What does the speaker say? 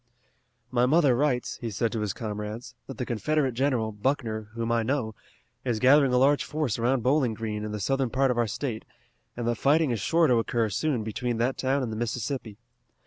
"My mother writes," he said to his comrades, "that the Confederate general, Buckner, whom I know, is gathering a large force around Bowling Green in the southern part of our state, and that fighting is sure to occur soon between that town and the Mississippi.